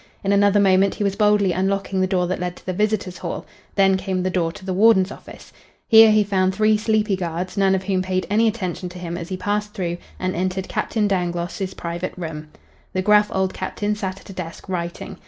In another moment he was boldly unlocking the door that led to the visitors' hall. Then came the door to the warden's office. Here he found three sleepy guards, none of whom paid any attention to him as he passed through and entered Captain Dangloss' private room. The gruff old Captain sat at a desk, writing.